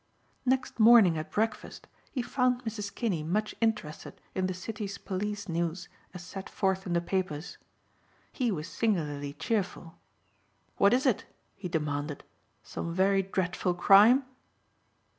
Next morning at breakfast he found Mrs. Kinney much interested in the city's police news as set forth in the papers. He was singularly cheerful. "What is it?" he demanded. "Some very dreadful crime?"